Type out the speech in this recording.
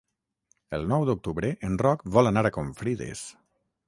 El nou d'octubre en Roc vol anar a Confrides.